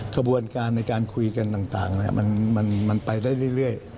กระบวนการในการคุยกันต่างมันไปได้เรื่อย